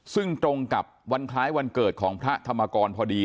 ซึ่งตรงกับวันคล้ายวันเกิดของพระธรรมกรพอดี